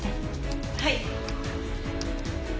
はい。